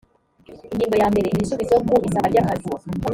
ingingo ya mbere igisubizo ku isaba ryakazi